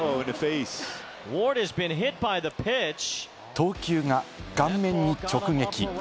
投球が顔面に直撃。